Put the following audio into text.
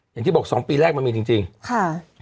อย่างที่บอกสองปีแรกมันมีจริงจริงค่ะ